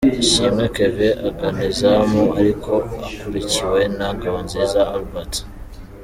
Ishimwe Kevin agana izamu ariko akurikiwe na Ngabonziza Albert.